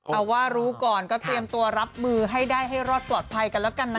เอาว่ารู้ก่อนก็เตรียมตัวรับมือให้ได้ให้รอดปลอดภัยกันแล้วกันนะ